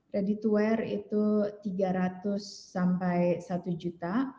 ready to wear itu tiga ratus sampai satu juta